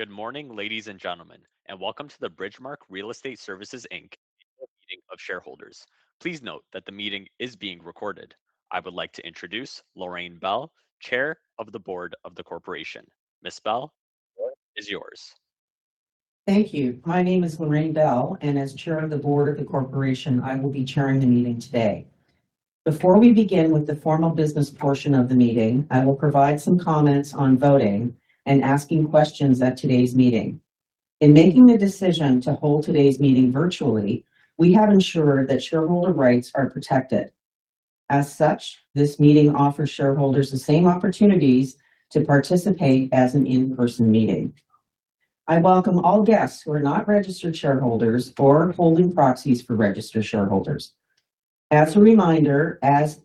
Good morning, ladies and gentlemen, and welcome to the Bridgemarq Real Estate Services Inc. Annual Meeting of Shareholders. Please note that the meeting is being recorded. I would like to introduce Lorraine Bell, Chair of the Board of the corporation. Ms. Bell, the floor is yours. Thank you. My name is Lorraine Bell, and as Chair of the Board of the corporation, I will be chairing the meeting today. Before we begin with the formal business portion of the meeting, I will provide some comments on voting and asking questions at today's meeting. In making the decision to hold today's meeting virtually, we have ensured that shareholder rights are protected. As such, this meeting offers shareholders the same opportunities to participate as an in-person meeting. I welcome all guests who are not registered shareholders or holding proxies for registered shareholders. As a reminder, as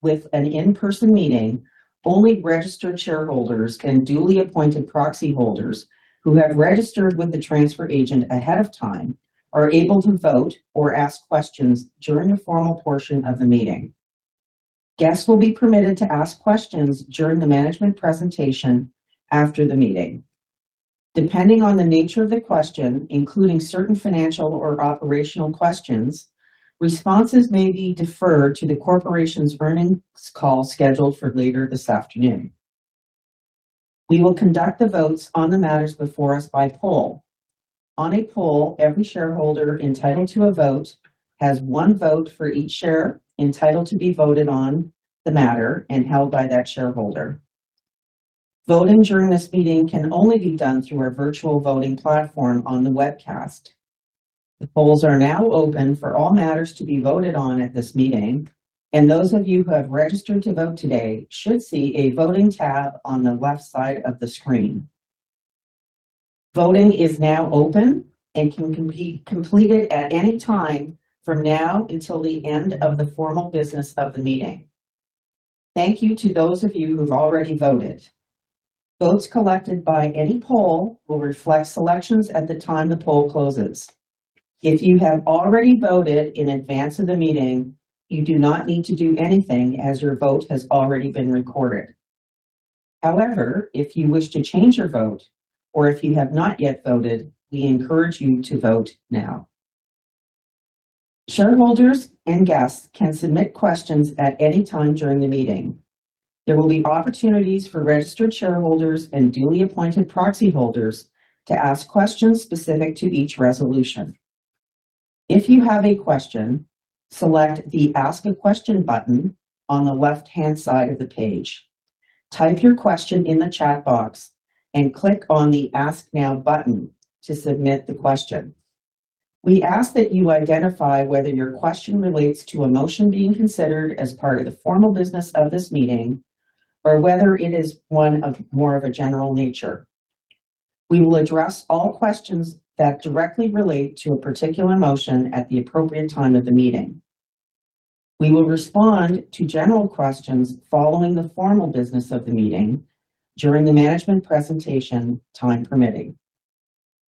with an in-person meeting, only registered shareholders and duly appointed proxy holders who have registered with the transfer agent ahead of time are able to vote or ask questions during the formal portion of the meeting. Guests will be permitted to ask questions during the management presentation after the meeting. Depending on the nature of the question, including certain financial or operational questions, responses may be deferred to the corporation's earnings call scheduled for later this afternoon. We will conduct the votes on the matters before us by poll. On a poll, every shareholder entitled to a vote has one vote for each share entitled to be voted on the matter and held by that shareholder. Voting during this meeting can only be done through our virtual voting platform on the webcast. The polls are now open for all matters to be voted on at this meeting. Those of you who have registered to vote today should see a voting tab on the left side of the screen. Voting is now open and can completed at any time from now until the end of the formal business of the meeting. Thank you to those of you who have already voted. Votes collected by any poll will reflect selections at the time the poll closes. If you have already voted in advance of the meeting, you do not need to do anything as your vote has already been recorded. However, if you wish to change your vote or if you have not yet voted, we encourage you to vote now. Shareholders and guests can submit questions at any time during the meeting. There will be opportunities for registered shareholders and duly appointed proxy holders to ask questions specific to each resolution. If you have a question, select the Ask a Question button on the left-hand side of the page. Type your question in the chat box and click on the Ask Now button to submit the question. We ask that you identify whether your question relates to a motion being considered as part of the formal business of this meeting, or whether it is one of more of a general nature. We will address all questions that directly relate to a particular motion at the appropriate time of the meeting. We will respond to general questions following the formal business of the meeting during the management presentation, time permitting.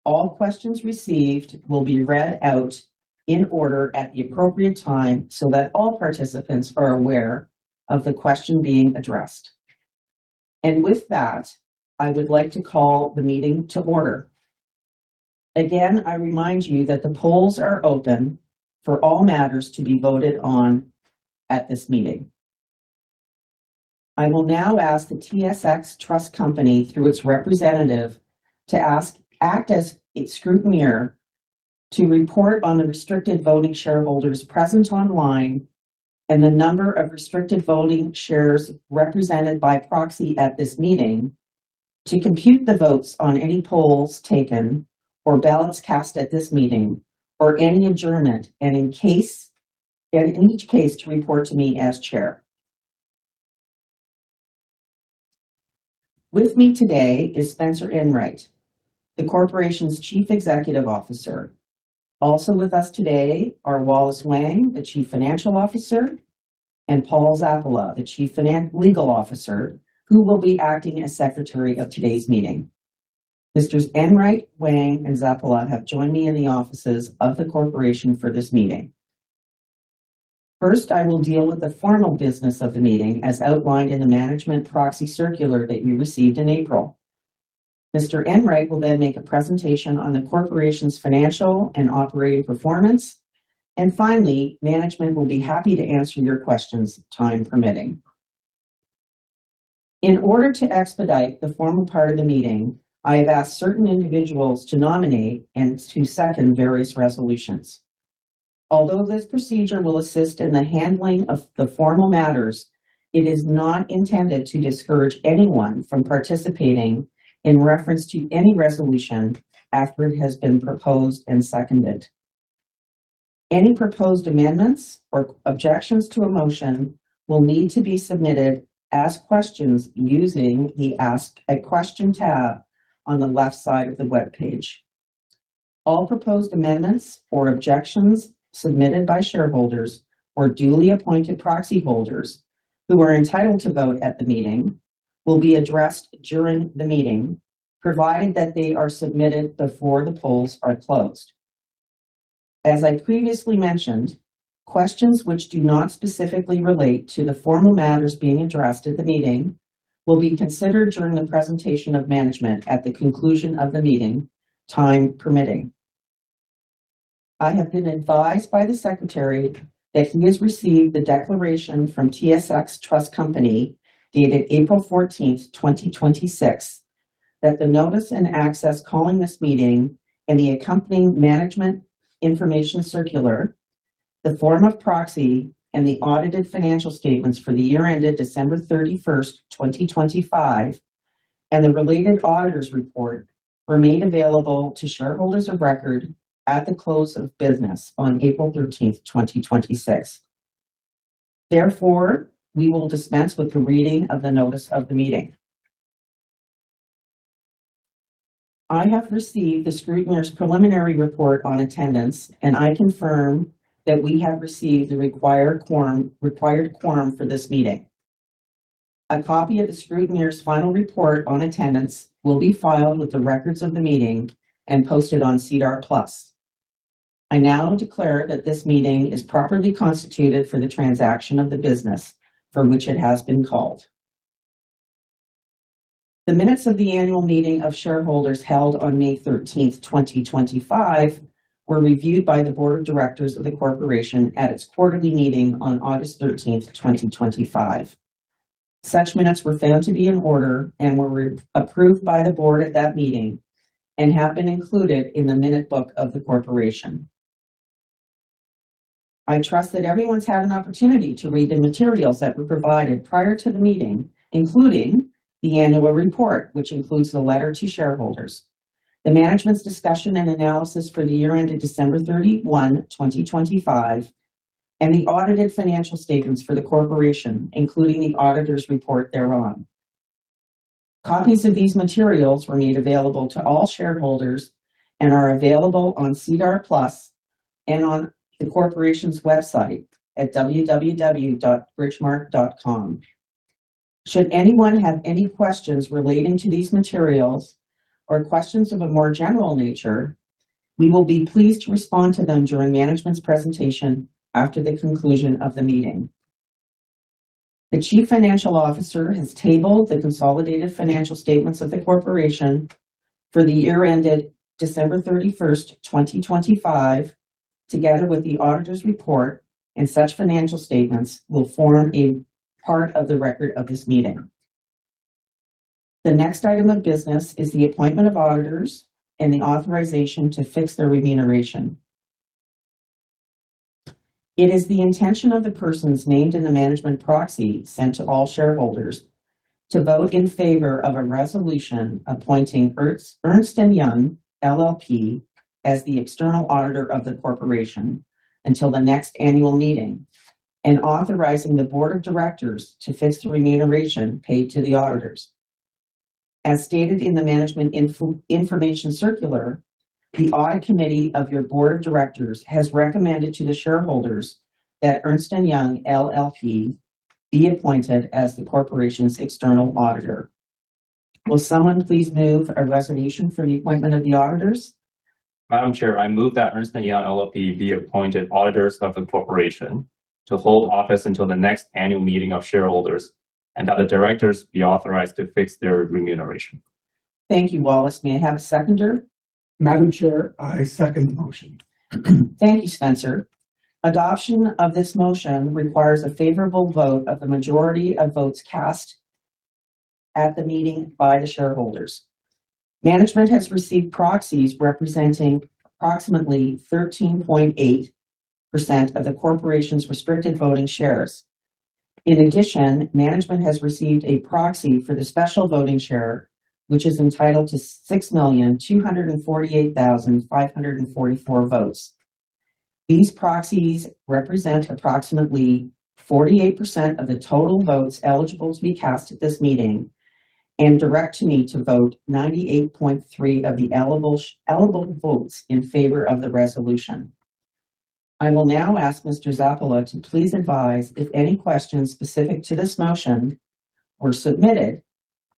All questions received will be read out in order at the appropriate time so that all participants are aware of the question being addressed. With that, I would like to call the meeting to order. Again, I remind you that the polls are open for all matters to be voted on at this meeting. I will now ask the TSX Trust Company through its representative to act as scrutineer to report on the restricted voting shareholders present online and the number of restricted voting shares represented by proxy at this meeting to compute the votes on any polls taken or ballots cast at this meeting or any adjournment, in each case to report to me as chair. With me today is Spencer Enright, the corporation's Chief Executive Officer. Also with us today are Wallace Wang, the Chief Financial Officer, and Paul Zappala, the Chief Legal Officer, who will be acting as Secretary of today's meeting. Misters Enright, Wang, and Zappala have joined me in the offices of the corporation for this meeting. First, I will deal with the formal business of the meeting as outlined in the management proxy circular that you received in April. Mr. Enright will then make a presentation on the corporation's financial and operating performance. Finally, management will be happy to answer your questions, time permitting. In order to expedite the formal part of the meeting, I have asked certain individuals to nominate and to second various resolutions. Although this procedure will assist in the handling of the formal matters, it is not intended to discourage anyone from participating in reference to any resolution after it has been proposed and seconded. Any proposed amendments or objections to a motion will need to be submitted as questions using the Ask a question tab on the left side of the webpage. All proposed amendments or objections submitted by shareholders or duly appointed proxy holders who are entitled to vote at the meeting will be addressed during the meeting, provided that they are submitted before the polls are closed. As I previously mentioned, questions which do not specifically relate to the formal matters being addressed at the meeting will be considered during the presentation of management at the conclusion of the meeting, time permitting. I have been advised by the secretary that he has received the declaration from TSX Trust Company dated April 14th, 2026, that the notice and access calling this meeting and the accompanying management information circular, the form of proxy, and the audited financial statements for the year ended December 31st, 2025, and the related auditor's report remain available to shareholders of record at the close of business on April 13th, 2026. Therefore, we will dispense with the reading of the notice of the meeting. I have received the scrutineer's preliminary report on attendance, and I confirm that we have received the required quorum for this meeting. A copy of the scrutineer's final report on attendance will be filed with the records of the meeting and posted on SEDAR+. I now declare that this meeting is properly constituted for the transaction of the business for which it has been called. The minutes of the annual meeting of shareholders held on May 13th, 2025, were reviewed by the board of directors of the corporation at its quarterly meeting on August 13th, 2025. Such minutes were found to be in order and were re-approved by the board at that meeting and have been included in the minute book of the corporation. I trust that everyone's had an opportunity to read the materials that were provided prior to the meeting, including the annual report, which includes the letter to shareholders, the management's discussion and analysis for the year ended December 31, 2025, and the audited financial statements for the corporation, including the auditor's report thereon. Copies of these materials were made available to all shareholders and are available on SEDAR+ and on the corporation's website at www.bridgemarq.com. Should anyone have any questions relating to these materials or questions of a more general nature, we will be pleased to respond to them during management's presentation after the conclusion of the meeting. The Chief Financial Officer has tabled the consolidated financial statements of the corporation for the year ended December 31st, 2025, together with the auditor's report, and such financial statements will form a part of the record of this meeting. The next item of business is the appointment of auditors and the authorization to fix their remuneration. It is the intention of the persons named in the management proxy sent to all shareholders to vote in favor of a resolution appointing Ernst & Young LLP as the external auditor of the corporation until the next annual meeting and authorizing the board of directors to fix the remuneration paid to the auditors. As stated in the management information circular, the audit committee of your board of directors has recommended to the shareholders that Ernst & Young LLP be appointed as the corporation's external auditor. Will someone please move a resolution for the appointment of the auditors? Madam Chair, I move that Ernst & Young LLP be appointed auditors of the corporation to hold office until the next annual meeting of shareholders and that the directors be authorized to fix their remuneration. Thank you, Wallace. May I have a seconder? Madam Chair, I second the motion. Thank you, Spencer. Adoption of this motion requires a favorable vote of the majority of votes cast at the meeting by the shareholders. Management has received proxies representing approximately 13.8% of the corporation's restricted voting shares. In addition, management has received a proxy for the special voting share, which is entitled to 6,248,544 votes. These proxies represent approximately 48% of the total votes eligible to be cast at this meeting and direct me to vote 98.3% of the eligible votes in favor of the resolution. I will now ask Mr. Zappala to please advise if any questions specific to this motion were submitted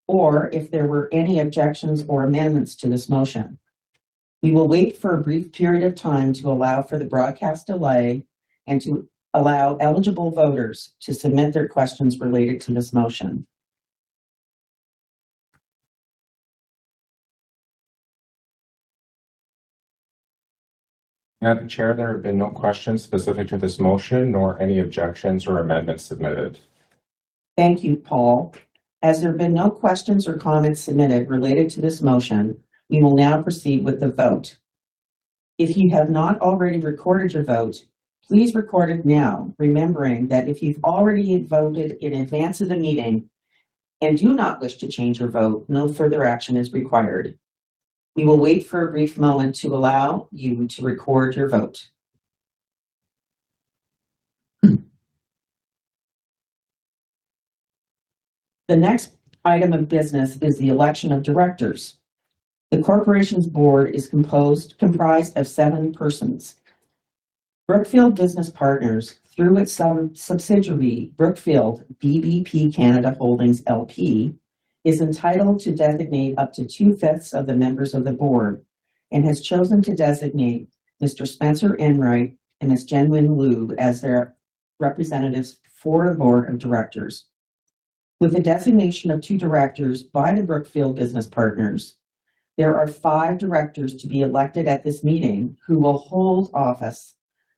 or if there were any objections or amendments to this motion. We will wait for a brief period of time to allow for the broadcast delay and to allow eligible voters to submit their questions related to this motion. Madam Chair, there have been no questions specific to this motion, nor any objections or amendments submitted. Thank you, Paul. As there have been no questions or comments submitted related to this motion, we will now proceed with the vote. If you have not already recorded your vote, please record it now, remembering that if you've already voted in advance of the meeting and do not wish to change your vote, no further action is required. We will wait for a brief moment to allow you to record your vote. The next item of business is the election of directors. The corporation's board is comprised of seven persons. Brookfield Business Partners, through its sub-subsidiary, Brookfield BBP Canada Holdings LP, is entitled to designate up to two-fifths of the members of the board and has chosen to designate Mr. Spencer Enright and Ms. Jingwen Liu as their representatives for the board of directors. With the designation of two directors by the Brookfield Business Partners, there are five directors to be elected at this meeting who will hold office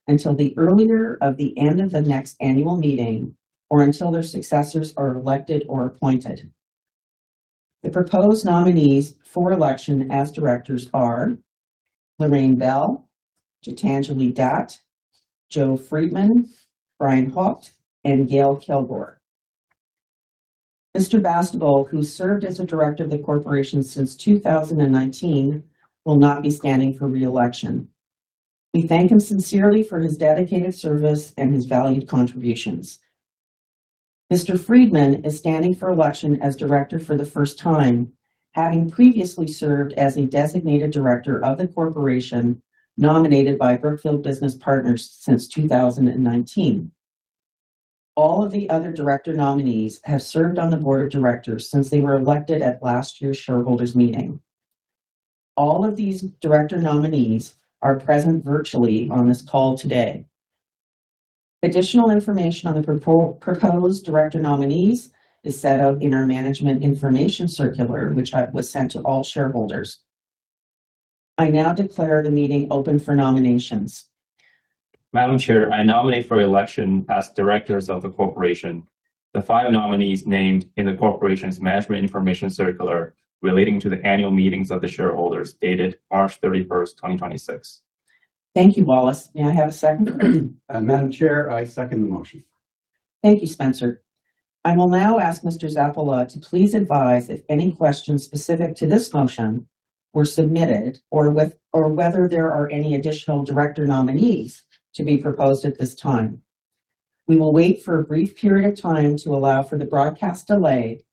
until the earlier of the end of the next annual meeting or until their successors are elected or appointed. The proposed nominees for election as directors are Lorraine Bell, Jitanjli Datt, Joe Freedman, Brian Hoecht, and Gail Kilgour. Mr. Bastable, who served as a director of the corporation since 2019, will not be standing for re-election. We thank him sincerely for his dedicated service and his valued contributions. Mr. Freedman is standing for election as director for the first time, having previously served as a designated director of the corporation nominated by Brookfield Business Partners since 2019. All of the other director nominees have served on the board of directors since they were elected at last year's shareholders meeting. All of these director nominees are present virtually on this call today. Additional information on the proposed director nominees is set out in our management information circular, which was sent to all shareholders. I now declare the meeting open for nominations. Madam Chair, I nominate for election as directors of the corporation the five nominees named in the corporation's management information circular relating to the annual meetings of the shareholders dated March 31st, 2026. Thank you, Wallace. May I have a seconder? Madam Chair, I second the motion. Thank you, Spencer. I will now ask Mr. Zappala to please advise if any questions specific to this motion were submitted, or whether there are any additional director nominees to be proposed at this time. We will wait for a brief period of time to allow for the broadcast delay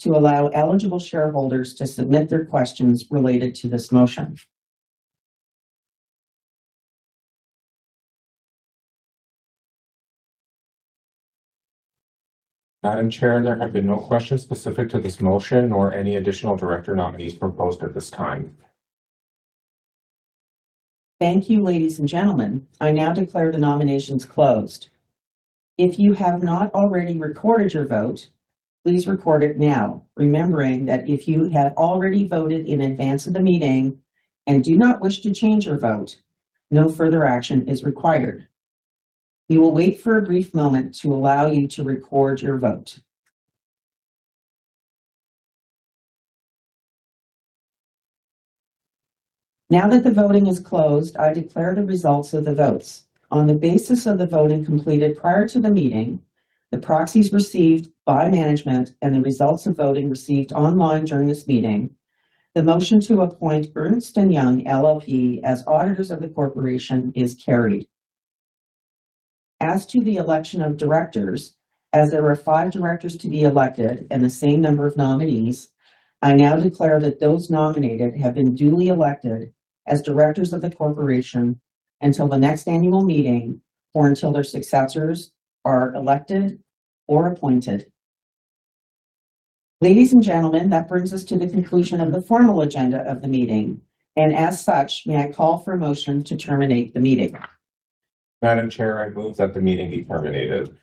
to allow eligible shareholders to submit their questions related to this motion. Madam Chair, there have been no questions specific to this motion or any additional director nominees proposed at this time. Thank you, ladies and gentlemen. I now declare the nominations closed. If you have not already recorded your vote, please record it now, remembering that if you have already voted in advance of the meeting and do not wish to change your vote, no further action is required. We will wait for a brief moment to allow you to record your vote. Now that the voting is closed, I declare the results of the votes. On the basis of the voting completed prior to the meeting, the proxies received by management and the results of voting received online during this meeting, the motion to appoint Ernst & Young LLP as auditors of the corporation is carried. As to the election of directors, as there are five directors to be elected and the same number of nominees, I now declare that those nominated have been duly elected as directors of the corporation until the next annual meeting or until their successors are elected or appointed. Ladies and gentlemen, that brings us to the conclusion of the formal agenda of the meeting, and as such, may I call for a motion to terminate the meeting? Madam Chair, I move that the meeting be terminated.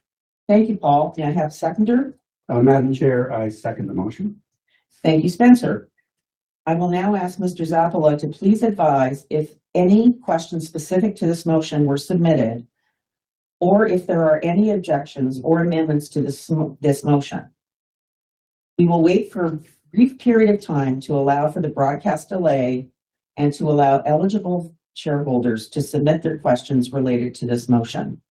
Thank you, Paul. May I have seconder? Madam Chair, I second the motion. Thank you, Spencer. I will now ask Mr. Zappala to please advise if any questions specific to this motion were submitted, or if there are any objections or amendments to this motion. We will wait for a brief period of time to allow for the broadcast delay and to allow eligible shareholders to submit their questions related to this motion.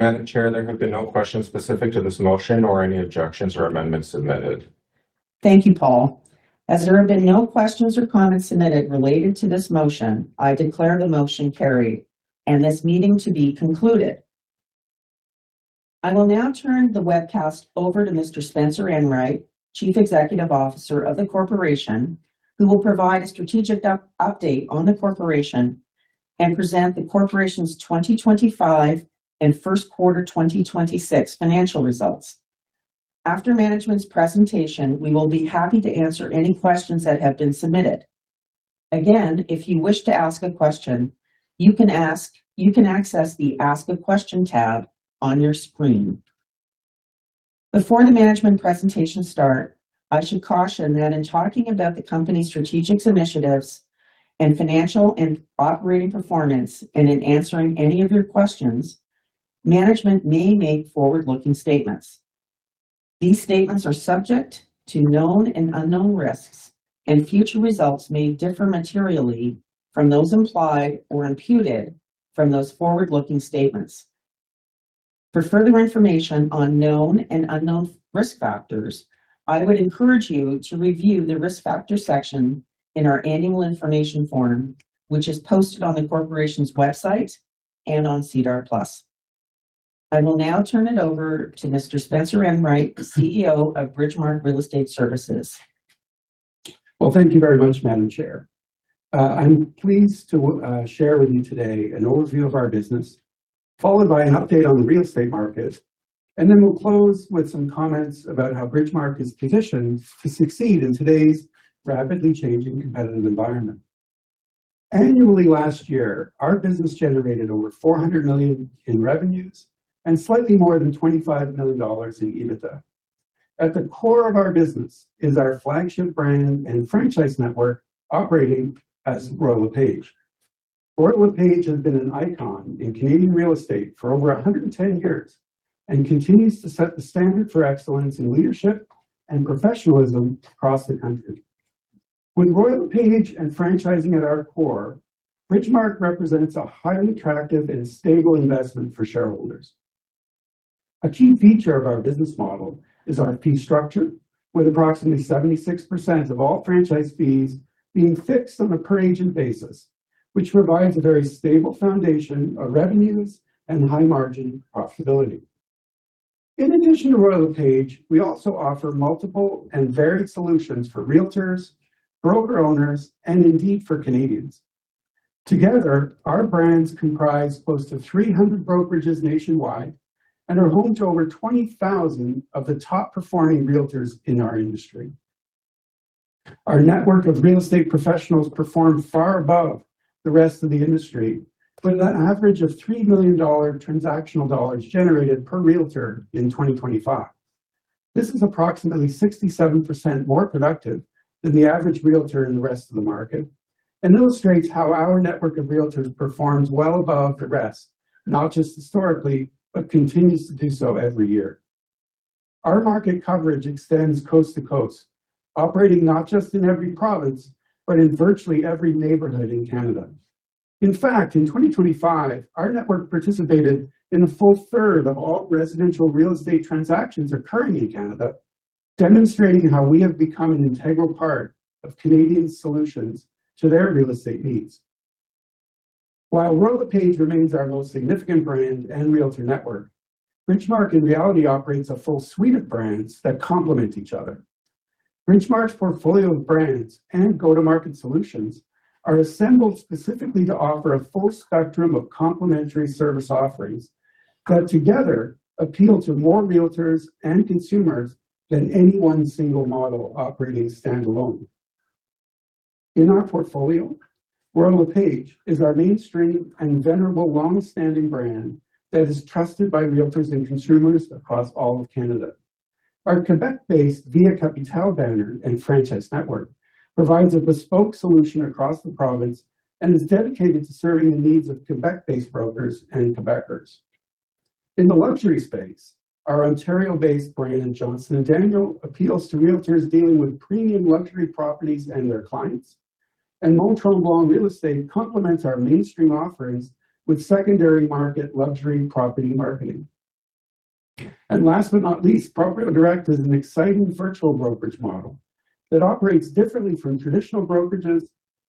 Madam Chair, there have been no questions specific to this motion or any objections or amendments submitted. Thank you, Paul. As there have been no questions or comments submitted related to this motion, I declare the motion carried and this meeting to be concluded. I will now turn the webcast over to Mr. Spencer Enright, Chief Executive Officer of the corporation, who will provide a strategic update on the corporation and present the corporation's 2025 and first quarter 2026 financial results. After management's presentation, we will be happy to answer any questions that have been submitted. Again, if you wish to ask a question, you can access the Ask a Question tab on your screen. Before the management presentation start, I should caution that in talking about the company's strategic initiatives and financial and operating performance, and in answering any of your questions, management may make forward-looking statements. These statements are subject to known and unknown risks, and future results may differ materially from those implied or imputed from those forward-looking statements. For further information on known and unknown risk factors, I would encourage you to review the Risk Factors section in our annual information form, which is posted on the corporation's website and on SEDAR+. I will now turn it over to Mr. Spencer Enright, the CEO of Bridgemarq Real Estate Services. Well, thank you very much, Madam Chair. I'm pleased to share with you today an overview of our business, followed by an update on the real estate market, and then we'll close with some comments about how Bridgemarq is positioned to succeed in today's rapidly changing competitive environment. Annually last year, our business generated over 400 million in revenues and slightly more than 25 million dollars in EBITDA. At the core of our business is our flagship brand and franchise network operating as Royal LePage. Royal LePage has been an icon in Canadian real estate for over 110 years and continues to set the standard for excellence in leadership and professionalism across the country. With Royal LePage and franchising at our core, Bridgemarq represents a highly attractive and stable investment for shareholders. A key feature of our business model is our fee structure, with approximately 76% of all franchise fees being fixed on a per agent basis, which provides a very stable foundation of revenues and high margin profitability. In addition to Royal LePage, we also offer multiple and varied solutions for realtors, broker owners, and indeed for Canadians. Together, our brands comprise close to 300 brokerages nationwide and are home to over 20,000 of the top performing realtors in our industry. Our network of real estate professionals perform far above the rest of the industry with an average of 3 million dollar transactional dollars generated per realtor in 2025. This is approximately 67% more productive than the average realtor in the rest of the market and illustrates how our network of realtors performs well above the rest, not just historically, but continues to do so every year. Our market coverage extends coast to coast, operating not just in every province, but in virtually every neighborhood in Canada. In fact, in 2025, our network participated in a full third of all residential real estate transactions occurring in Canada, demonstrating how we have become an integral part of Canadians' solutions to their real estate needs. While Royal LePage remains our most significant brand and realtor network, Bridgemarq in reality operates a full suite of brands that complement each other. Bridgemarq's portfolio of brands and go-to-market solutions are assembled specifically to offer a full spectrum of complementary service offerings that together appeal to more realtors and consumers than any one single model operating standalone. In our portfolio, Royal LePage is our mainstream and venerable long-standing brand that is trusted by realtors and consumers across all of Canada. Our Quebec-based Via Capitale banner and franchise network provides a bespoke solution across the province and is dedicated to serving the needs of Quebec-based brokers and Quebecers. In the luxury space, our Ontario-based brand, Johnston & Daniel appeals to realtors dealing with premium luxury properties and their clients, and Les Immeubles Mont-Tremblant complements our mainstream offerings with secondary market luxury property marketing. Last but not least, Broker Direct is an exciting virtual brokerage model that operates differently from traditional brokerages,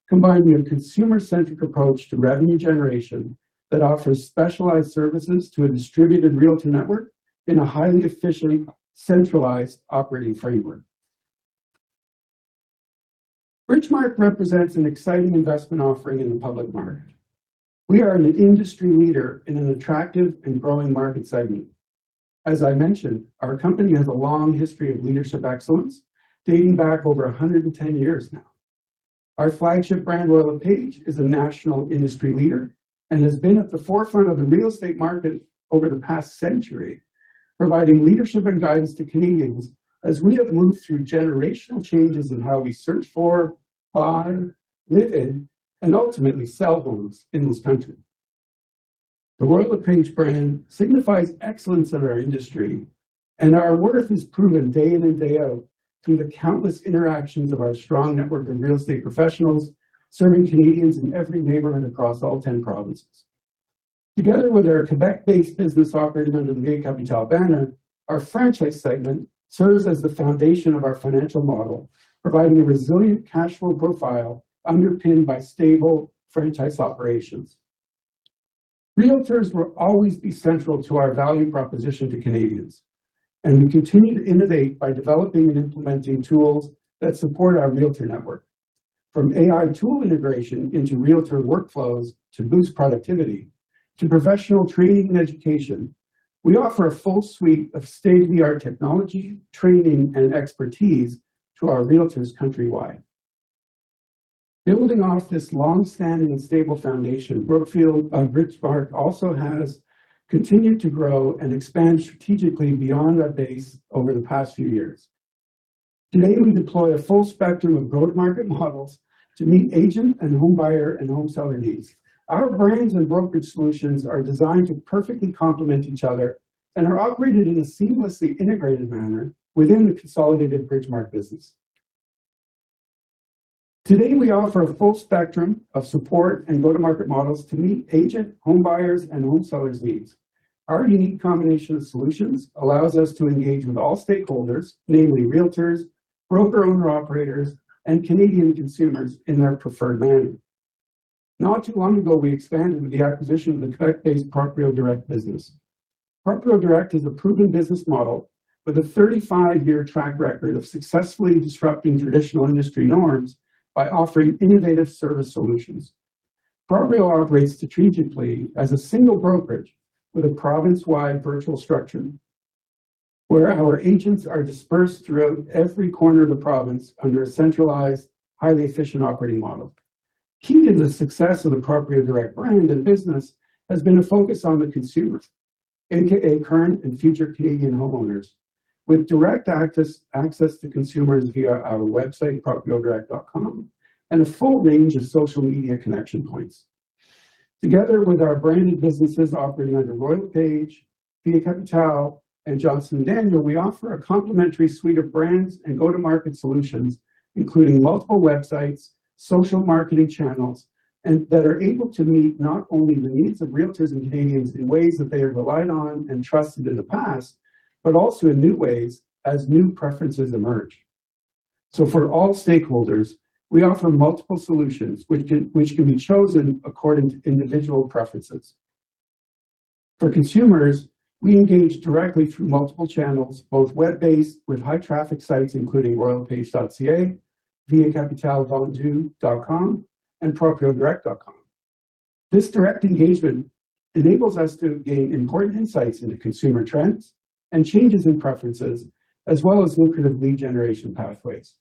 combining a consumer-centric approach to revenue generation that offers specialized services to a distributed realtor network in a highly efficient, centralized operating framework. Bridgemarq represents an exciting investment offering in the public market. We are an industry leader in an attractive and growing market segment. As I mentioned, our company has a long history of leadership excellence dating back over 110 years now. Our flagship brand, Royal LePage, is a national industry leader and has been at the forefront of the real estate market over the past century, providing leadership and guidance to Canadians as we have moved through generational changes in how we search for, buy, live in, and ultimately sell homes in this country. The Royal LePage brand signifies excellence in our industry, and our worth is proven day in and day out through the countless interactions of our strong network of real estate professionals serving Canadians in every neighborhood across all 10 provinces. Together with our Quebec-based business operating under the Via Capitale banner, our franchise segment serves as the foundation of our financial model, providing a resilient cash flow profile underpinned by stable franchise operations. Realtors will always be central to our value proposition to Canadians, and we continue to innovate by developing and implementing tools that support our realtor network. From AI tool integration into realtor workflows to boost productivity to professional training and education, we offer a full suite of state-of-the-art technology, training, and expertise to our realtors countrywide. Building off this long-standing and stable foundation, Brookfield, Bridgemarq also has continued to grow and expand strategically beyond that base over the past few years. Today, we deploy a full spectrum of go-to-market models to meet agent and home buyer and home seller needs. Our brands and brokerage solutions are designed to perfectly complement each other and are operated in a seamlessly integrated manner within the consolidated Bridgemarq business. Today, we offer a full spectrum of support and go-to-market models to meet agent, home buyers, and home sellers needs. Our unique combination of solutions allows us to engage with all stakeholders, namely realtors, broker owner-operators, and Canadian consumers in their preferred manner. Not too long ago, we expanded with the acquisition of the Quebec-based Proprio Direct business. Proprio Direct is a proven business model with a 35-year track record of successfully disrupting traditional industry norms by offering innovative service solutions. Proprio operates strategically as a single brokerage with a province-wide virtual structure, where our agents are dispersed throughout every corner of the province under a centralized, highly efficient operating model. Key to the success of the Proprio Direct brand and business has been a focus on the consumer, AKA current and future Canadian homeowners, with direct access to consumers via our website, propriodirect.com, and a full range of social media connection points. Together with our branded businesses operating under Royal LePage, Via Capitale, and Johnston & Daniel, we offer a complimentary suite of brands and go-to-market solutions, including multiple websites, social marketing channels, and that are able to meet not only the needs of realtors and Canadians in ways that they have relied on and trusted in the past, but also in new ways as new preferences emerge. For all stakeholders, we offer multiple solutions which can be chosen according to individual preferences. For consumers, we engage directly through multiple channels, both web-based with high traffic sites including royallepage.ca, viacapitalevendu.com, and propriodirect.com. This direct engagement enables us to gain important insights into consumer trends and changes in preferences, as well as lucrative lead generation pathways.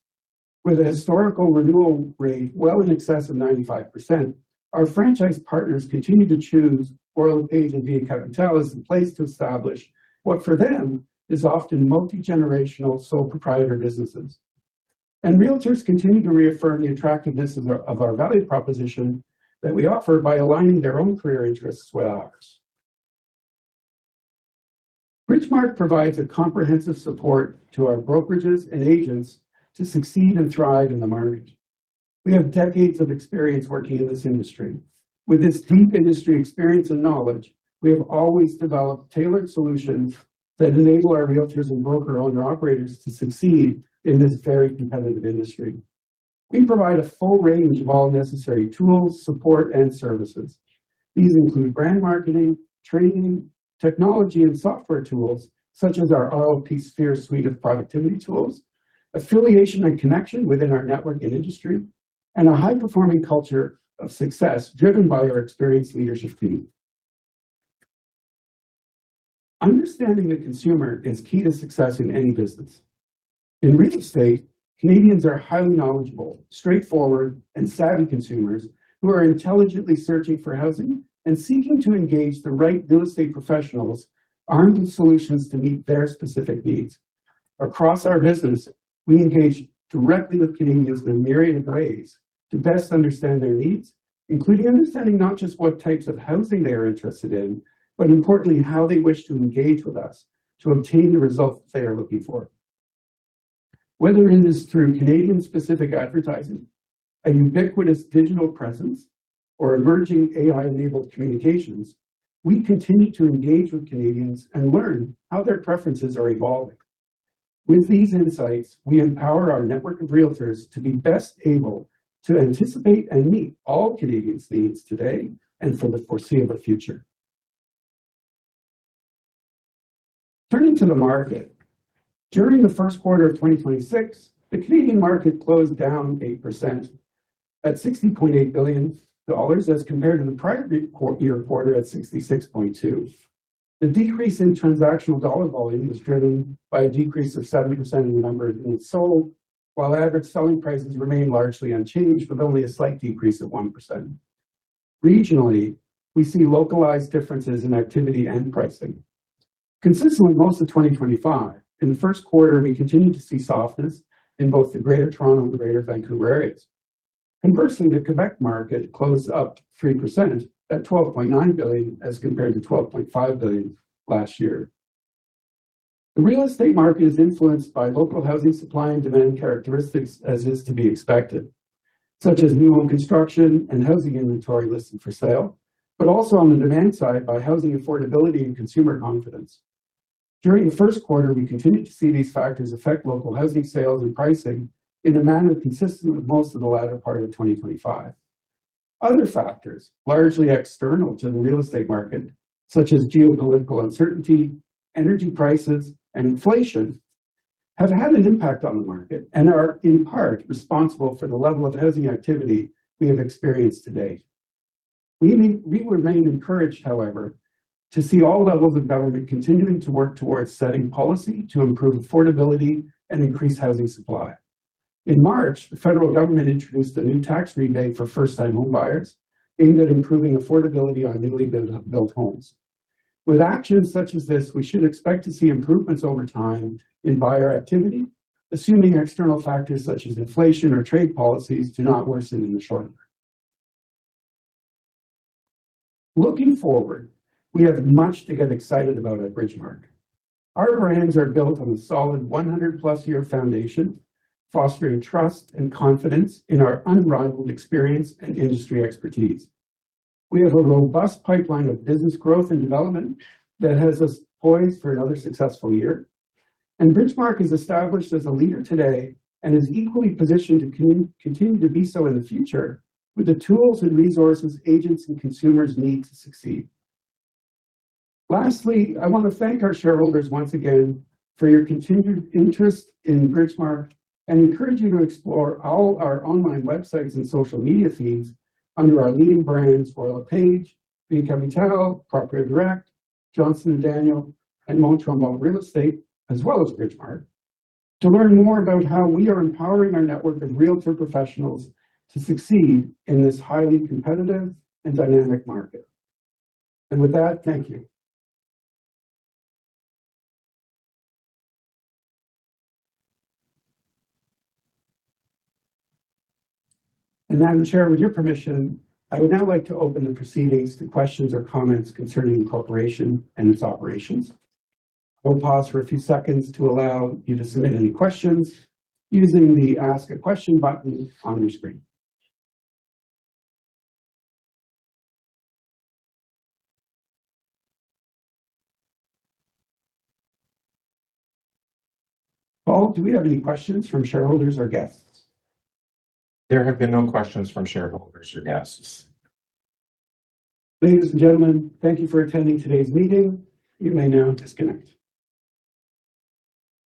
With a historical renewal rate well in excess of 95%, our franchise partners continue to choose Royal LePage and Via Capitale as the place to establish what for them is often multi-generational sole proprietor businesses. Realtors continue to reaffirm the attractiveness of our value proposition that we offer by aligning their own career interests with ours. Bridgemarq provides a comprehensive support to our brokerages and agents to succeed and thrive in the market. We have decades of experience working in this industry. With this deep industry experience and knowledge, we have always developed tailored solutions that enable our realtors and broker owner operators to succeed in this very competitive industry. We provide a full range of all necessary tools, support, and services. These include brand marketing, training, technology and software tools such as our rlpSPHERE suite of productivity tools, affiliation and connection within our network and industry, and a high performing culture of success driven by our experienced leadership team. Understanding the consumer is key to success in any business. In real estate, Canadians are highly knowledgeable, straightforward, and savvy consumers who are intelligently searching for housing and seeking to engage the right real estate professionals armed with solutions to meet their specific needs. Across our business, we engage directly with Canadians in myriad ways to best understand their needs, including understanding not just what types of housing they are interested in, but importantly, how they wish to engage with us to obtain the results they are looking for. Whether it is through Canadian-specific advertising, a ubiquitous digital presence, or emerging AI-enabled communications, we continue to engage with Canadians and learn how their preferences are evolving. With these insights, we empower our network of realtors to be best able to anticipate and meet all Canadians' needs today and for the foreseeable future. Turning to the market, during the first quarter of 2026, the Canadian market closed down 8% at 60.8 billion dollars as compared to the prior year quarter at 66.2 billion. The decrease in transactional dollar volume was driven by a decrease of 7% in the number of units sold, while average selling prices remained largely unchanged with only a slight decrease of 1%. Regionally, we see localized differences in activity and pricing. Consistent with most of 2025, in the first quarter we continued to see softness in both the Greater Toronto and Greater Vancouver areas. In comarison, the Quebec market closed up 3% at 12.9 billion as compared to 12.5 billion last year. The real estate market is influenced by local housing supply and demand characteristics as is to be expected, such as new home construction and housing inventory listed for sale, but also on the demand side by housing affordability and consumer confidence. During the first quarter, we continued to see these factors affect local housing sales and pricing in a manner consistent with most of the latter part of 2025. Other factors, largely external to the real estate market, such as geopolitical uncertainty, energy prices, and inflation, have had an impact on the market and are in part responsible for the level of housing activity we have experienced to date. We remain encouraged, however, to see all levels of government continuing to work towards setting policy to improve affordability and increase housing supply. In March, the federal government introduced a new tax rebate for first-time homebuyers aimed at improving affordability on newly built homes. With actions such as this, we should expect to see improvements over time in buyer activity, assuming external factors such as inflation or trade policies do not worsen in the short term. Looking forward, we have much to get excited about at Bridgemarq. Our brands are built on a solid 100+ year foundation, fostering trust and confidence in our unrivaled experience and industry expertise. We have a robust pipeline of business growth and development that has us poised for another successful year. Bridgemarq is established as a leader today and is equally positioned to continue to be so in the future with the tools and resources agents and consumers need to succeed. Lastly, I want to thank our shareholders once again for your continued interest in Bridgemarq and encourage you to explore all our online websites and social media feeds under our leading brands Royal LePage, Via Capitale, Proprio Direct, Johnston & Daniel, and Les Immeubles Mont-Tremblant, as well as Bridgemarq, to learn more about how we are empowering our network of realtor professionals to succeed in this highly competitive and dynamic market. With that, thank you. Madam Chair, with your permission, I would now like to open the proceedings to questions or comments concerning the corporation and its operations. We'll pause for a few seconds to allow you to submit any questions using the Ask a Question button on your screen. Paul, do we have any questions from shareholders or guests? There have been no questions from shareholders or guests. Ladies and gentlemen, thank you for attending today's meeting. You may now disconnect.